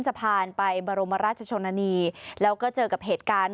สะพานไปบรมราชชนนานีแล้วก็เจอกับเหตุการณ์